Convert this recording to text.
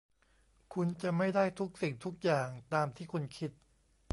คุณจะไม่ได้ทุกสิ่งทุกอย่างตามที่คุณคิด